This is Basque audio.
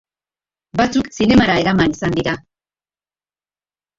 Batzuk zinemara eraman izan dira.